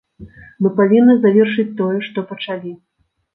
Мы павінны завершыць тое, што пачалі.